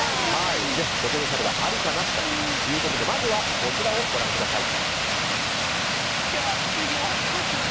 ポテトサラダありかなしかということでまずは、こちらをご覧ください。